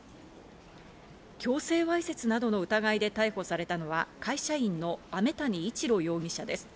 強制わいせつなどの疑いで逮捕されたのは会社員の飴谷一路容疑者です。